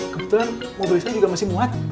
ketan mobilisnya juga masih muat